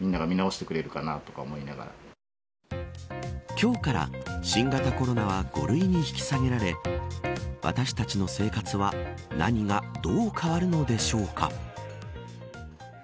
今日から、新型コロナは５類に引き下げられ私たちの生活は何がどう変わるのでしょうか。